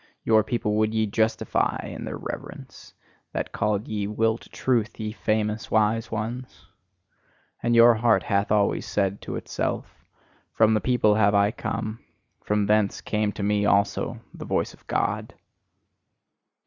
Your people would ye justify in their reverence: that called ye "Will to Truth," ye famous wise ones! And your heart hath always said to itself: "From the people have I come: from thence came to me also the voice of God."